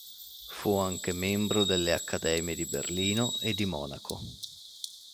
Fu anche membro delle Accademie di Berlino e di Monaco.